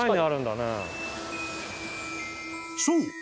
［そう。